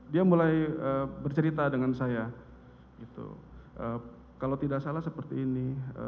dia mulai bercerita dengan saya kalau tidak salah seperti ini